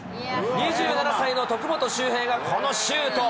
２７歳の徳元悠平がこのシュート。